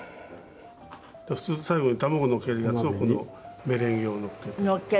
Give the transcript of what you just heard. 普通最後に卵のっけるやつをこのメレンゲをのっけて。